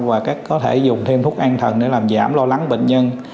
và có thể dùng thêm thuốc an thần để làm giảm lo lắng bệnh nhân